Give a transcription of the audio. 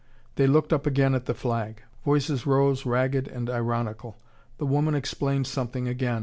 They looked up again at the flag. Voices rose ragged and ironical. The woman explained something again.